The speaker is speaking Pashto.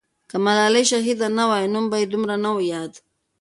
که ملالۍ شهیده نه وای، نوم به یې دومره نه وو یاد.